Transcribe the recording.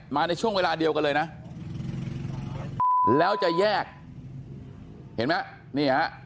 ในช่วงเวลาเดียวกันเลยนะแล้วจะแยกเห็นไหมนี่ฮะ